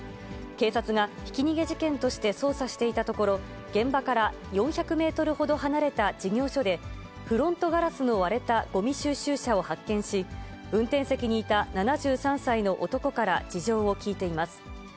警察がひき逃げ事件として捜査していたところ、現場から４００メートルほど離れた事業所で、フロントガラスの割れたごみ収集車を発見し、運転席にいた７３歳の男から事情を聴いています。